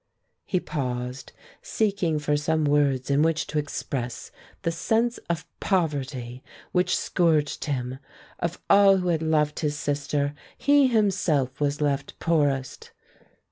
He paused, seeking for some words in which to express the sense of poverty which scourged him. Of all who had loved his sister, he himself was left poorest!